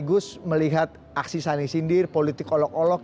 agus melihat aksi saling sindir politik olok olok